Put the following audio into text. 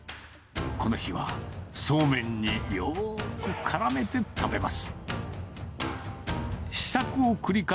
この日は、そうめんによーくからめて食べます。